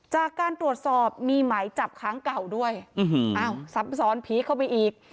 จากการตรวจสอบมีหมายจับค้างเก่าด้วยอ้าวซับซ้อนผีเข้าไปอีก